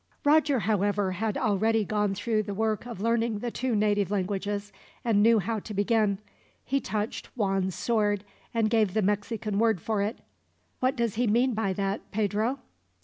Roger, however, had already gone through the work of learning the two native languages, and knew how to begin. He touched Juan's sword, and gave the Mexican word for it. "What does he mean by that, Pedro?"